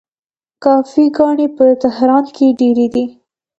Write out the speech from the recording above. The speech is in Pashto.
کافې ګانې په تهران کې ډیرې دي.